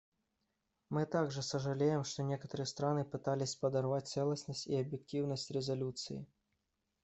Мы также сожалеем, что некоторые страны пытались подорвать целостность и объективность резолюции.